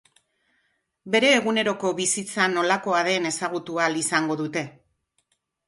Bere eguneroko bizitza nolakoa den ezagutu ahal izango dute.